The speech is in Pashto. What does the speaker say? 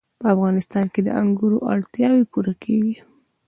په افغانستان کې د انګورو اړتیاوې پوره کېږي.